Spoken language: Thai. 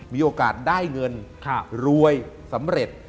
มีโอกาสได้เงินรวยสำเร็จ